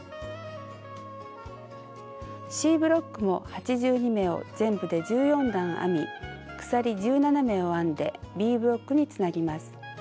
Ｃブロックも８２目を全部で１４段編み鎖１７目を編んでＢブロックにつなぎます。